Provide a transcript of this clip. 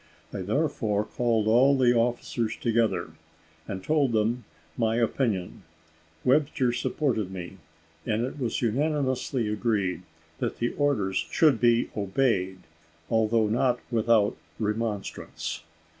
I therefore called all the officers together, and told them my opinion. Webster supported me, and it was unanimously agreed that the orders should be obeyed, although not without remonstrance.